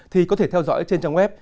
thì có thể theo dõi trên trang web